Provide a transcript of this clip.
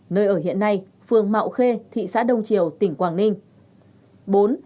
nơi ở hiện nay phường mạo khê thị xã đông triều tỉnh quảng ninh